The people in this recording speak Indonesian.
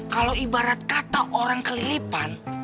kalau ibarat kata orang kelilipan